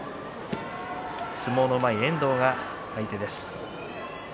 相撲のうまい遠藤が相手です。